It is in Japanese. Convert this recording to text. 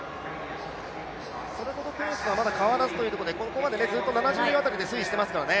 それほどペースはまだ変わらずというところで、ずっと７０秒辺りできていますね。